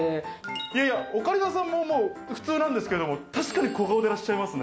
いやいや、オカリナさんも普通なんですけど、確かに小顔でいらっしゃいますね。